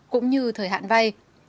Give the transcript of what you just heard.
cũng như thời hạn vay